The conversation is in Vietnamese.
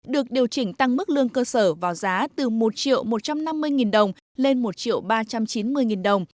được điều chỉnh tăng mức lương cơ sở vào giá từ một triệu một trăm năm mươi nghìn đồng lên một ba trăm chín mươi đồng